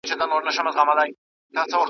که بیټرۍ وي نو جریان نه پرې کیږي.